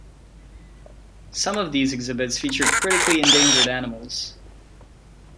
Some of these exhibits feature critically endangered animals.